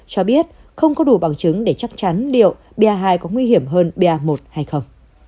cho biết không có đủ bằng chứng để chắc chắn liệu ba hai có nguy hiểm hơn ba một hay không